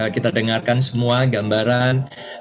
kita dengarkan semua gambaran